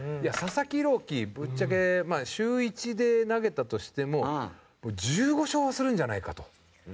佐々木朗希ぶっちゃけ週１で投げたとしても１５勝はするんじゃないかと。